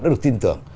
đã được tin tưởng